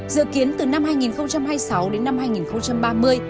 dự kiến từ năm hai nghìn hai mươi sáu đến năm hai nghìn ba mươi